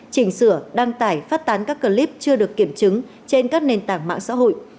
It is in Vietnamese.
chỉnh sửa đăng tải phát tán các clip chưa được kiểm chứng trên các nền tảng mạng xã hội